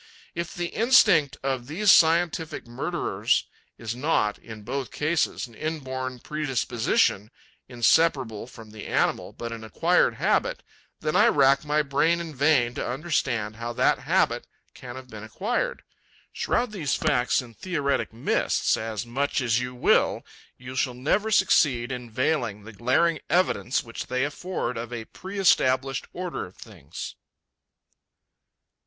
If the instinct of these scientific murderers is not, in both cases, an inborn predisposition, inseparable from the animal, but an acquired habit, then I rack my brain in vain to understand how that habit can have been acquired. Shroud these facts in theoretic mists as much as you will, you shall never succeed in veiling the glaring evidence which they afford of a pre established order of things.